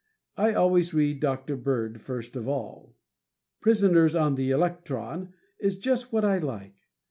I always read Dr. Bird first of all. "Prisoners on the Electron" is just what I like.